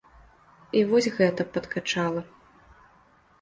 І вось гэта падкачала.